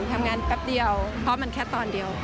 แป๊บเดียวเพราะมันแค่ตอนเดียว